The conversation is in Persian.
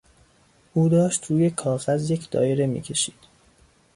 او داشت روی کاغذ یک دایره میکشید.